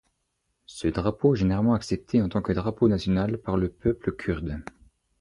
Ce drapeau est généralement accepté en tant que drapeau national par le peuple kurde.